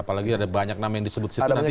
apalagi ada banyak nama yang disebut